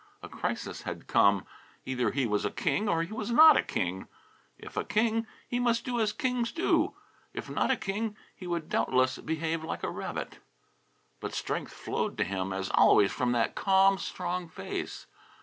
A crisis had come. Either he was a king, or he was not a king. If a king, he must do as kings would do. If not a king, he would doubtless behave like a rabbit. But strength flowed to him as always from that calm, strong face.